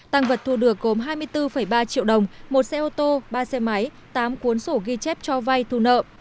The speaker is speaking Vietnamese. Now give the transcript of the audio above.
tăng vật thu được gồm hai mươi bốn ba triệu đồng một xe ô tô ba xe máy tám cuốn sổ ghi chép cho vay thu nợ